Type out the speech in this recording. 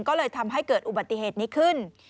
ก็เลยทำให้เกิดอุบัติเหตุนี้ขึ้น